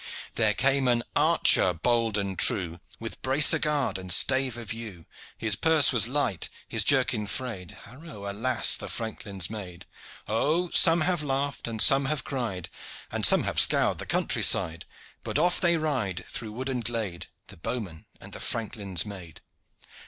There came an archer bold and true, With bracer guard and stave of yew; His purse was light, his jerkin frayed; Haro, alas! the franklin's maid! Oh, some have laughed and some have cried And some have scoured the country side! But off they ride through wood and glade, The bowman and the franklin's maid.